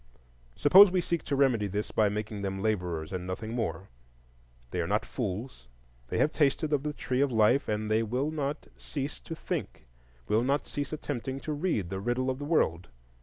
Suppose we seek to remedy this by making them laborers and nothing more: they are not fools, they have tasted of the Tree of Life, and they will not cease to think, will not cease attempting to read the riddle of the world.